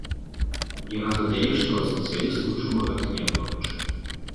Яна дадае, што ад спецыялістаў чула гэта неаднойчы.